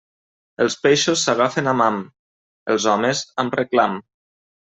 Els peixos s'agafen amb ham; els homes, amb reclam.